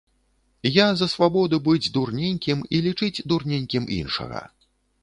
Я за свабоду быць дурненькім і лічыць дурненькім іншага.